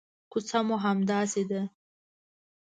کوڅه مو همداسې ده.